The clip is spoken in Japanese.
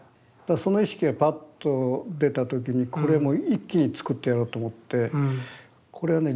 その意識がバッと出た時にこれもう一気に作ってやろうと思ってこれはね